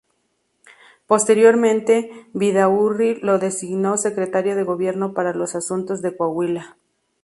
Posteriormente Vidaurri lo designó secretario de Gobierno para los asuntos de Coahuila.